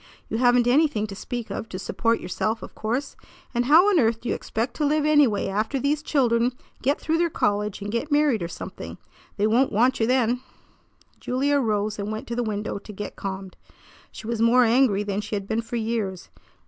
You haven't anything to speak of to support yourself, of course, and how on earth do you expect to live anyway after these children get through their college and get married or something? They won't want you then." Julia arose and went to the window to get calmed. She was more angry than she had been for years.